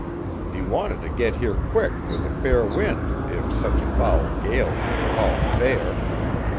He wanted t' get here quick with a fair wind if such a foul gale could be called fair.